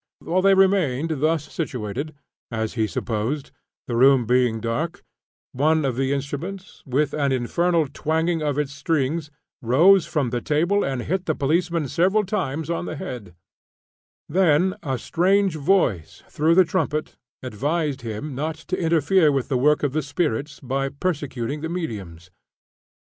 While they remained thus situated (as he supposed,) the room being dark, one of the instruments, with an infernal twanging of its strings, rose from the table and hit the policeman several times on the head; then a strange voice through the trumpet advised him not to interfere with the work of the spirits by persecuting the mediums!